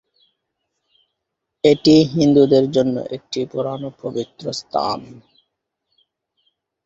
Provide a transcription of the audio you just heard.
এটি হিন্দুদের জন্য একটি পুরানো পবিত্র স্থান।